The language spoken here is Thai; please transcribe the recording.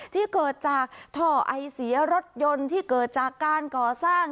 ที่เกิดจากท่อไอเสียรถยนต์ที่เกิดจากการก่อสร้าง